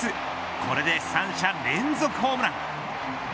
これで３者連続ホームラン。